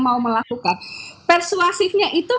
mau melakukan persuasifnya itu